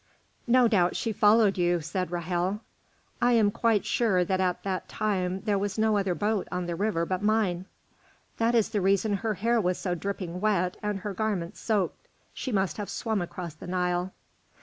"No doubt she followed you," said Ra'hel. "I am quite sure that at that time there was no other boat on the river but mine." "That is the reason her hair was so dripping wet and her garments soaked. She must have swum across the Nile."